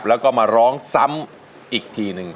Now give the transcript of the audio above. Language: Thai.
แล้วก็มาร้องซ้ำอีกทีหนึ่ง